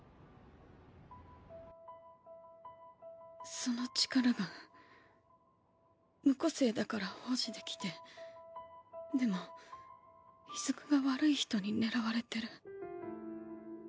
その力が無個性だから保持出来てでも出久が悪い人に狙われてる。